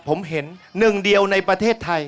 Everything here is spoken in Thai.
ผมเห็นหนึ่งเดียวในประเทศไทย